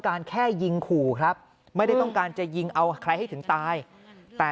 แค่ยิงขู่ครับไม่ได้ต้องการจะยิงเอาใครให้ถึงตายแต่